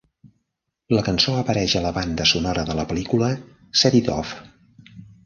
La cançó apareix a la banda sonora de la pel·lícula "Set It Off".